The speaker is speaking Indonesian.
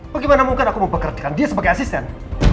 bagaimana mungkin aku mempekerjakan dia sebagai asisten